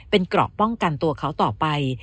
เป็นเกราะป้องกันตัวเขาต่อไป